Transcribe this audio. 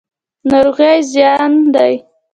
ناروغي زیان دی.